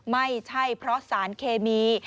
ไม่ใช่เพราะสารเคมี